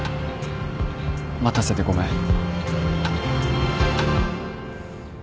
待たせてごめん。